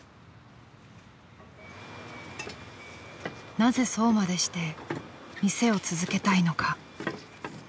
［なぜそうまでして店を続けたいのか］